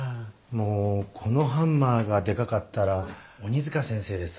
もうこのハンマーがでかかったら鬼塚先生です。